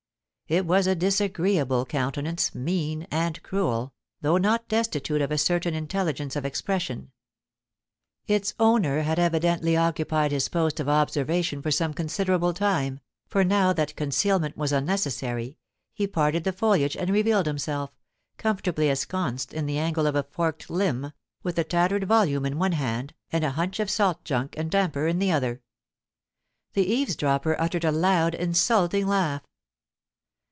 It was a disagreeable countenance, mean and cruel, though not destitute of a certain intelligence of expression. Its owner had evidently occupied his post of observation for some considerable time, for now that concealment was un necessary, he parted the foliage and revealed himself, com fortably ensconced in the angle of a forked limb, with a tattered volume in one hand, and a hunch of salt junk and damper in the other. The eavesdropper uttered a loud, insulting laugh.